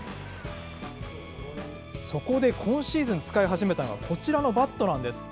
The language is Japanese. そこで今シーズン、使い始めたのが、こちらのバットなんです。